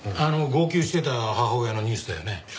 あの号泣してた母親のニュースだよね。